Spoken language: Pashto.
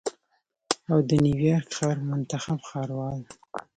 او د نیویارک ښار منتخب ښاروال